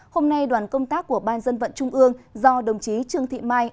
hôm nay đoàn công tác của ban dân vận trung ương do đồng chí trương thị mai